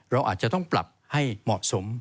เราอาจจะต้องปรับให้เหมาะสม